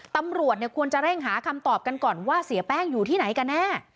ตำรวจควรจะเร่งหาคำตอบกันก่อนว่าเสียแป้งอยู่ที่ไหนกันแน่